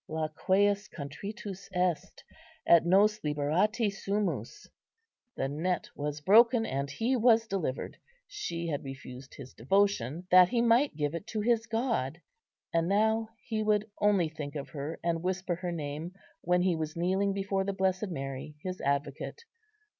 "Laqueus contritus est, et nos liberati sumus:" the net was broken and he was delivered. She had refused his devotion, that he might give it to his God; and now he would only think of her, and whisper her name, when he was kneeling before the Blessed Mary, his advocate.